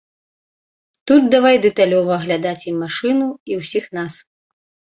Тут давай дэталёва аглядаць і машыну, і ўсіх нас.